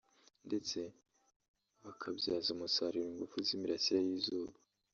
ndetse bakabyaza umusaruro ingufu z’imirasire y’izuba